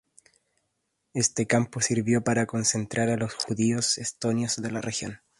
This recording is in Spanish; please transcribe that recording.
Este campo sirvió para concentrar a los judíos estonios de la región.